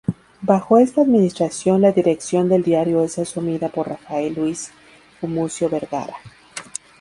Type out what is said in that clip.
Bajo esta administración la dirección del diario es asumida por Rafael Luis Gumucio Vergara.